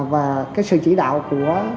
và cái sự chỉ đạo của